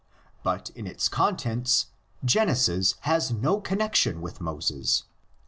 But in its contents Genesis has no connexion with Moses.